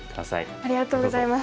ありがとうございます。